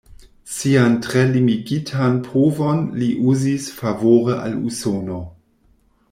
Sian tre limigitan povon li uzis favore al Usono.